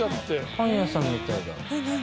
パン屋さんみたいだ。